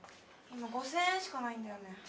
今５，０００円しか無いんだよね。